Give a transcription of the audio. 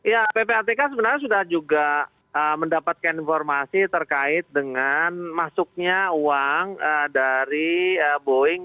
ya ppatk sebenarnya sudah juga mendapatkan informasi terkait dengan masuknya uang dari boeing